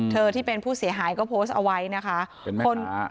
เธอที่เป็นผู้เสียหายก็โพสต์เอาไว้นะคะเป็นแม่ขา